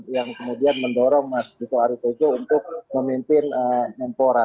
yang kemudian mendorong mas dito aritejo untuk memimpin mempora